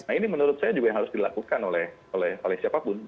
nah ini menurut saya juga yang harus dilakukan oleh siapapun